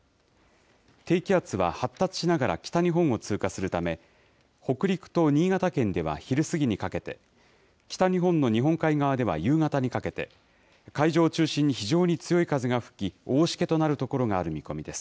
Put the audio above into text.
低気圧は発達しながら北日本を通過するため、北陸と新潟県では昼過ぎにかけて、北日本の日本海側では夕方にかけて、海上を中心に非常に強い風が吹き、大しけとなる所がある見込みです。